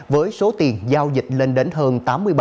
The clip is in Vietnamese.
với số tiền giao dịch lên đến hơn